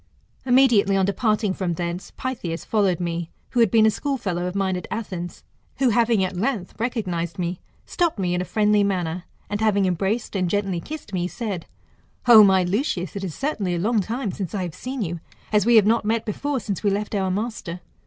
Immediately on departing from thence, Pytheas followed me, who had been a schoolfellow of mine at Athens, who having at length recognised me, stopped me in a friendly manner, and having embraced and gently kissed me, said, O my Lucius, it is certainly a long time since I have seen you, as we have not met before since we left our master.